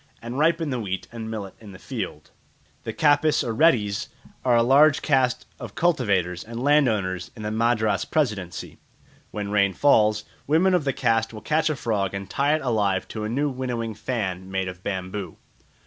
And ripen the wheat and millet in the field." The Kapus or Reddis are a large caste of cultivators and landowners in the Madras Presidency. When rain fails, women of the caste will catch a frog and tie it alive to a new winnowing fan made of bamboo.